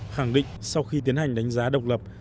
khẳng định sau khi tiến hành đánh giá độc lập